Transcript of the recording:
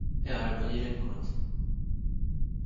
Ayɣer i wwin ayla-nkent?